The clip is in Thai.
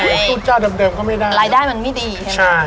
สู้เจ้าเดิมก็ไม่ได้รายได้มันไม่ดีใช่ไหมใช่